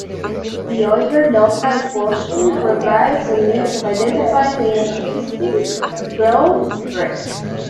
The Euler-Lotka equation provides a means of identifying the intrinsic growth rate.